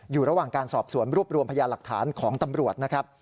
อยู่ระหว่างการสอบสวนรวบรวมพยาหลักฐานของตำรวจนะครับ